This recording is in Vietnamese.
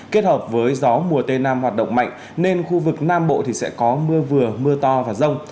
kết hợp với gió mùa tây nam hoạt động mạnh nên khu vực nam bộ thì sẽ có mưa vừa mưa to và rông